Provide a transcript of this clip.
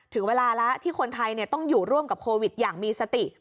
ถึงเวลาแล้วที่คนไทยต้องอยู่ร่วมกับโควิดอย่างมีสติ